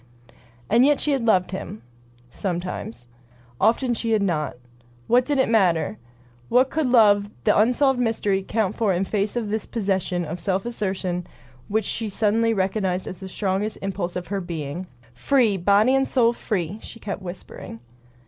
And yet she had loved him — sometimes. Often she had not. What did it matter! What could love, the unsolved mystery, count for in face of this possession of self assertion which she suddenly recognized as the strongest impulse of her being! "Free! Body and soul free!" she kept whispering.